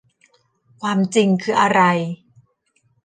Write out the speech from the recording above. ความจริงคืออะไร